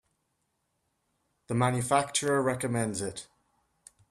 The manufacturer recommends it.